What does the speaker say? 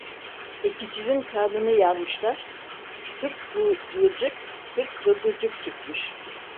Ekincinin karnını yarmışlar; kırk bu yılcık, kırk bıldırcık çıkmış.